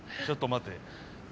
ちょっと待て。